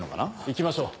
行きましょう。